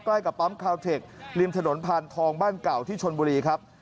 ใกล้กับปั๊มคาวเทคริมถนนพานทองบ้านเก่าที่ชนบุรีครับ